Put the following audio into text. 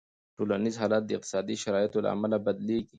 ټولنیز حالت د اقتصادي شرایطو له امله بدلېږي.